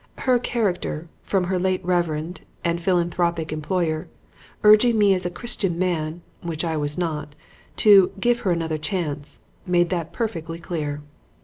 Her character from her late reverend and philanthropic employer, urging me as a Christian man (which I was not) to 'give her another chance,' made that perfectly clear.